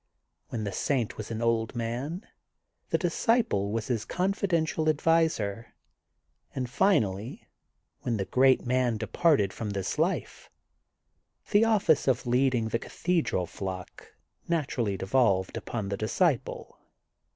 When the saint was an old man, the disciple was his con fidential adviser and finally, when the great man departed this life, the office of leading the Cathedral flock naturally devolved upon the disciple.